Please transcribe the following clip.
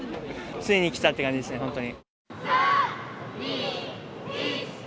ついに来たって感じですね、本当に。